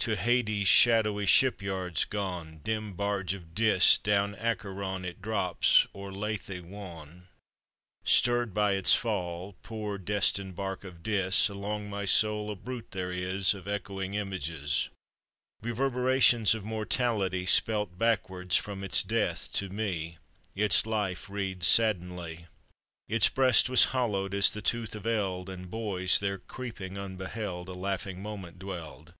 To Hades' shadowy shipyards gone, Dim barge of Dis, down Acheron It drops, or Lethe wan. Stirred by its fall poor destined bark of Dis! Along my soul a bruit there is Of echoing images, Reverberations of mortality: Spelt backward from its death, to me Its life reads saddenedly. Its breast was hollowed as the tooth of eld; And boys, there creeping unbeheld, A laughing moment dwelled.